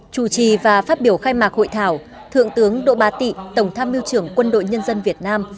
chủ trì và phát biểu khai mạc hội thảo thượng tướng đỗ ba tị tổng tham mưu trưởng quân đội nhân dân việt nam